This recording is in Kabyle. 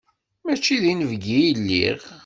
Mačči d inebgi i lliɣ.